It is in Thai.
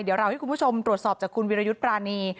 เดี๋ยวเราให้คุณผู้ชมตรวจสอบจากคุณวิรยุทธ์ปรานี